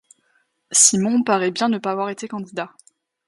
Simon paraît bien ne pas avoir été candidat.